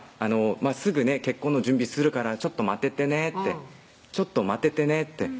すぐね結婚の準備するからちょっと待っててね」って「ちょっと待っててね」って